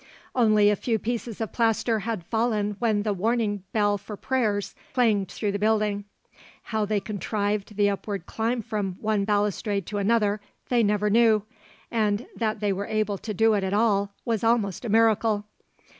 Only a few pieces of plaster had fallen when the warning bell for prayers clanged through the building. How they contrived the upward climb from one balustrade to another, they never knew, and that they were able to do it at all was almost a miracle.